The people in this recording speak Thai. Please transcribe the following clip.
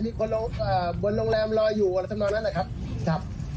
มีคนบนโรงแรมรออยู่สำนองนั้นแหละครับ